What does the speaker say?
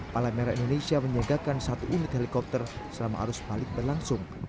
palang merah indonesia menyiagakan satu unit helikopter selama arus balik berlangsung